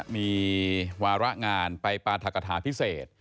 มีวาระงานไปปราธกฐาพิเศษ